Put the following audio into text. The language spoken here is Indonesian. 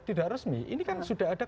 tidak resmi ini kan sudah ada